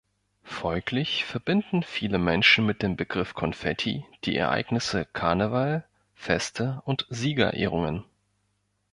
Folglich verbinden viele Menschen mit dem Begriff "Konfetti" die Ereignisse Karneval, Feste und Siegerehrungen.